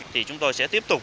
thì chúng tôi sẽ tiếp tục